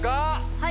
はい！